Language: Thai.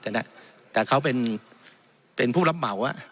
แต่เขาเป็นเป็นผู้รับเหมา